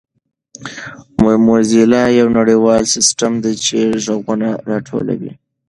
موزیلا یو نړیوال سیسټم دی چې ږغونه راټولوي.